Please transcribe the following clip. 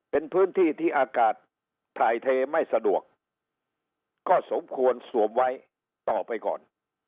เป็นพื้นที่ที่อากาศถ่ายเทไม่สะดวกก็สมควรสวมไว้ต่อไปก่อน